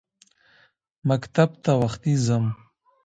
مکتب ته وختي ځم.